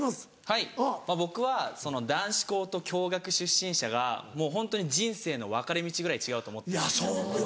はい僕は男子校と共学出身者がもうホントに人生の分かれ道ぐらい違うと思ってるんですよ。